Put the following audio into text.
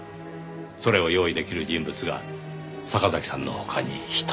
それを用意できる人物が坂崎さんの他に１人だけいます。